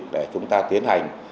để chúng ta tiến hành